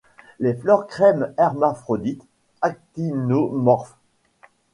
Les fleurs crème hermaphrodites actinomorphes.